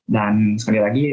dan sekali lagi